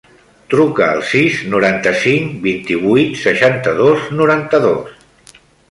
Truca al sis, noranta-cinc, vint-i-vuit, seixanta-dos, noranta-dos.